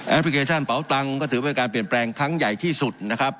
แอปพลิเคชั่นเปล่าตังก็ถือว่าการเปลี่ยนแปลงทั้งใหญ่ที่สุดนะครับ